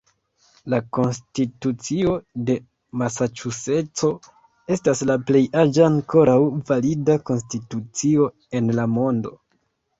La Konstitucio de Masaĉuseco estas la plej aĝa ankoraŭ valida konstitucio en la mondo.